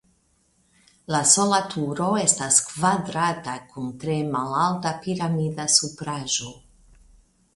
La sola turo estas kvadrata kun tre malalta piramida supraĵo.